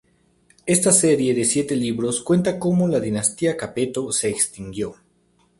Esta serie de siete libros cuenta cómo la Dinastía Capeto se extinguió.